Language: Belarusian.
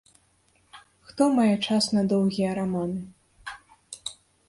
Хто мае час на доўгія раманы?